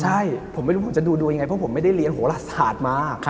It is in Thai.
ใช่ผมไม่รู้ผมจะดูดวงยังไงเพราะผมไม่ได้เรียนโหลศาสตร์มา